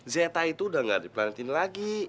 zeta itu udah gak dipelantin lagi